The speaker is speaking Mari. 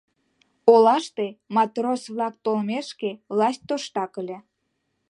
Олаште, матрос-влак толмешке, власть тоштак ыле.